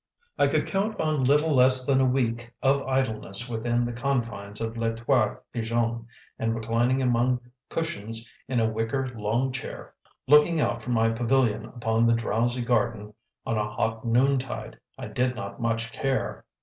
I could count on little less than a week of idleness within the confines of Les Trois Pigeons; and reclining among cushions in a wicker long chair looking out from my pavilion upon the drowsy garden on a hot noontide, I did not much care.